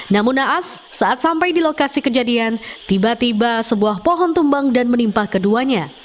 namun naas saat sampai di lokasi kejadian tiba tiba sebuah pohon tumbang dan menimpa keduanya